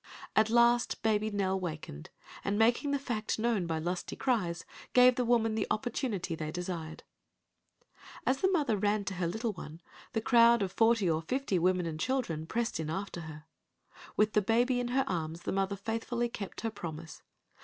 At last baby Nell wakened, and making the fact known by lusty cries, gave the women the opportunity they desired. As the mother ran to her little one the crowd of forty or fifty women and children pressed in after her. With the baby in her arms the mother faithfully kept her promise.